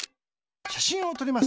しゃしんをとります。